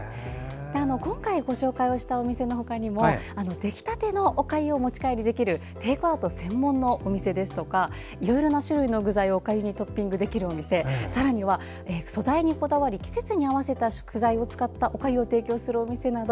今回ご紹介をしたお店の他にも出来たてのおかゆを持ち帰りできるテイクアウト専門のお店ですとかいろいろな種類の具材をおかゆにトッピングできるお店さらには素材にこだわり季節に合わせた具材を使ったおかゆを提供するお店など